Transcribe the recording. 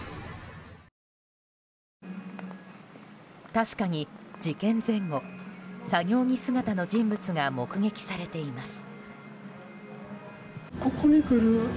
確かに事件前後、作業着姿の人物が目撃されています。